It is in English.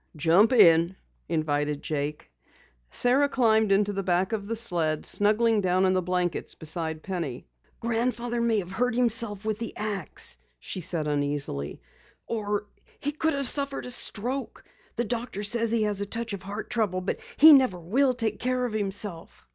"Jump in," invited Jake. Sara climbed into the back of the sled, snuggling down in the blankets beside Penny. "Grandfather may have hurt himself with the ax," she said uneasily. "Or he could have suffered a stroke. The doctor says he has a touch of heart trouble, but he never will take care of himself."